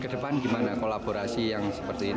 kedepan gimana kolaborasi yang seperti ini